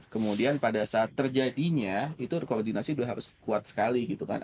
kemudian pada saat terjadinya itu koordinasi sudah harus kuat sekali gitu kan